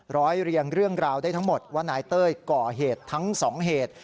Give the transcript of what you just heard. เรียงเรื่องราวได้ทั้งหมดว่านายเต้ยก่อเหตุทั้งสองเหตุ